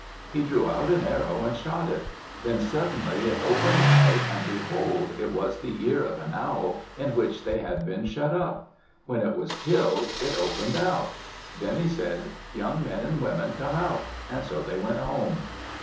He drew out an arrow and shot it. Then suddenly it opened out and behold! it was the ear of an owl in which they had been shut up. When it was killed, it opened out. Then he said, "Young men and women, come out," so they went home.